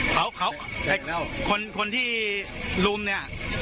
เขาเขาคนที่ลุมเนี่ย